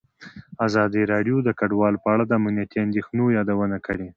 ازادي راډیو د کډوال په اړه د امنیتي اندېښنو یادونه کړې.